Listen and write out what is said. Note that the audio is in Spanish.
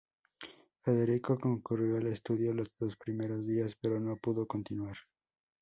Federico concurrió al estudio los dos primeros días, pero no pudo continuar.